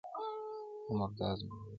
عمردراز مروت صیب